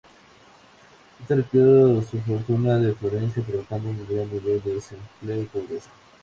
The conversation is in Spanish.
Éste retiró su fortuna de Florencia provocando un gran nivel de desempleo y pobreza.